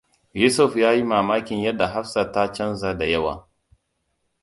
Yusuf ya yi mamakin yadda Hafsat ta canza da yawa.